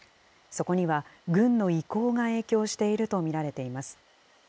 そこには軍の意向が影響していると見られています。